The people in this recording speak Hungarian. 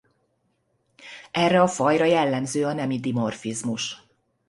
Erre a fajra jellemző a nemi dimorfizmus.